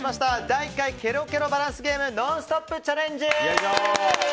第１回けろけろバランスゲーム「ノンストップ！」チャレンジ！